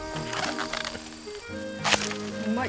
うまい！